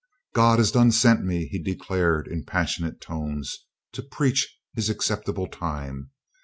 "God is done sent me," he declared in passionate tones, "to preach His acceptable time.